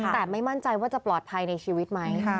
แต่ไม่มั่นใจว่าจะปลอดภัยในชีวิตไหม